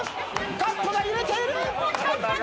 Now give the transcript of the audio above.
カップが揺れている！